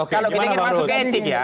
kalau kita ingin masuk ke ending ya